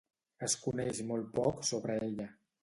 Es coneix molt poc sobre ella.